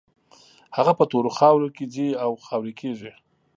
هغه په تورو خاورو کې ځي او خاورې کېږي.